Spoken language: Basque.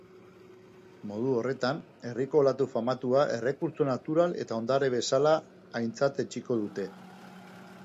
Modu horretan herriko olatu famatua errekurtso natural eta ondare bezala aintzatetsiko dute.